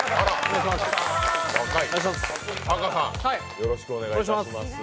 よろしくお願いします。